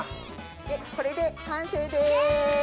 これで完成です！